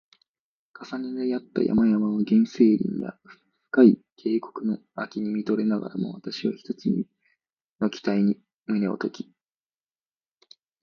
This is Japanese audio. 重なり合った山々や原生林や深い渓谷の秋に見とれながらも、わたしは一つの期待に胸をとき